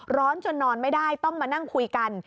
ร้อนจนนอนไม่ได้ต้องมานั่งคุยกัน